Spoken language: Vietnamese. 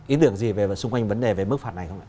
ý tưởng gì về xung quanh vấn đề về mức phạt này không ạ